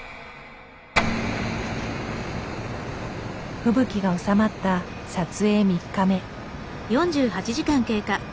吹雪が収まった撮影３日目。